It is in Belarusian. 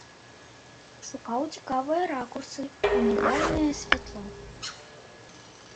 Шукаў цікавыя ракурсы, унікальная святло.